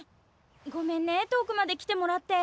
ごめんね遠くまで来てもらって。